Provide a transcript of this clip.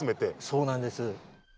そうなんです。